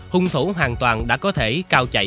hung thủ hoàn toàn đã có thể cao chạy